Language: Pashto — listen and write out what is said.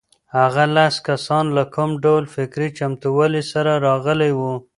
هغه لس کسان له کوم ډول فکري چمتووالي سره راغلي وو؟